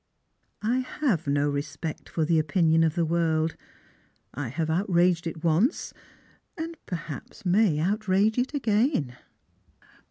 " I have no respect for the opinion of the world. I have out raged it once, and perhaps may outrage it again."